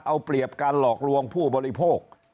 เอาเปรียบการหลอกลวงผู้บริโภค